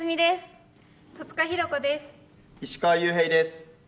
石川裕平です。